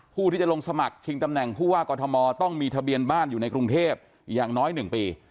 ผู้ที่จะลงสมัครชิงตำแหน่งผู้ว่ากอทมต้องมีทะเบียนบ้านอยู่ในกรุงเทพอย่างน้อย๑ปี